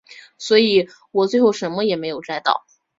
所以我最后什么都没有摘到